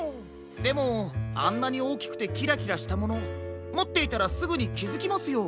でもあんなにおおきくてキラキラしたものもっていたらすぐにきづきますよ。